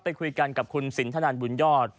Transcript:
ไปคุยกันกับคุณสินทนันบุญยอด